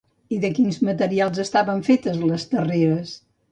I de quins materials estaven fetes les terreres?